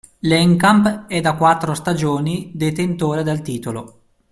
L'Encamp è da quattro stagioni detentore del titolo.